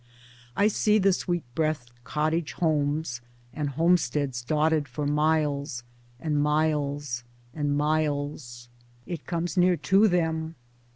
I see the sweet breathed cottage homes and homesteads dotted for miles and miles and miles. It comes near to them.